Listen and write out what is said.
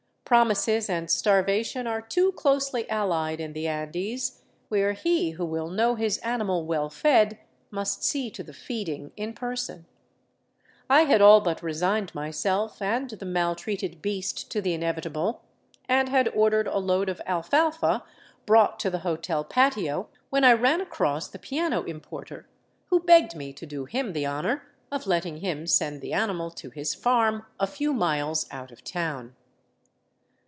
Promises and starvation are too closely allied in the Andes, where he who will know his animal well fed must see to the feeding in person. I had all but resigned myself and the maltreated beast to the inevitable, and had ordered a load of alfalfa brought to the hotel patio, when I ran across the piano importer, who begged me to do him the honor of letting him send the animal to his farm a few miles out of town.